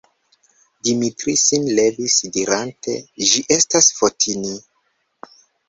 Dimitri sin levis dirante: «Ĝi estas Fotini! »